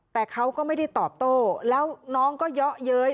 แต่เขาก็ไม่ได้ตอบโต้แล้วน้องก็เยอะเย้ย